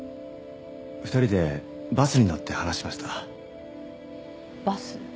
２人でバスに乗って話しましたバス？